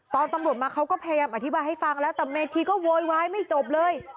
ตอนตำรวจมาเขาก็พยายามอธิบายให้ฟังแล้วแต่เมธีก็โวยวายไม่จบเลย